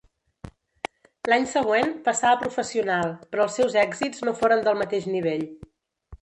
L'any següent passà a professional, però els seus èxits no foren del mateix nivell.